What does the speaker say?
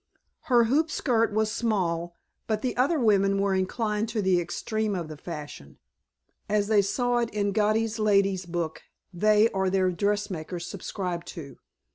Her hoopskirt was small, but the other women were inclined to the extreme of the fashion; as they saw it in the Godey's Lady's Book they or their dressmakers subscribed to.